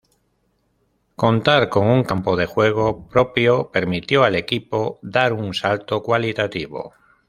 Contar con un campo de juego propio permitió al equipo dar un salto cualitativo.